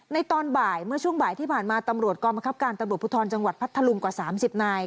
ในตอนบ่ายเมื่อช่วงบ่ายที่ผ่านมาตำรวจกรมคับการตำรวจภูทรจังหวัดพัทธลุงกว่า๓๐นาย